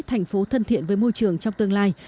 thành phố thân thiện với môi trường trong tương lai